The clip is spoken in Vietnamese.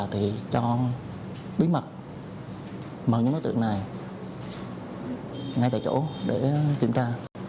thì cho bí mật mở những đối tượng này ngay tại chỗ để kiểm tra